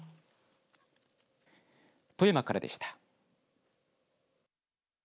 富山からでした。